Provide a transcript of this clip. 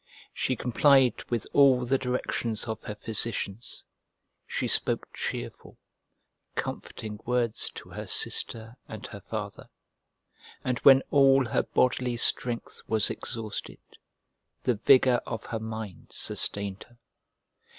She complied with all the directions of her physicians; she spoke cheerful, comforting words to her sister and her father; and when all her bodily strength was exhausted, the vigour of her mind sustained her.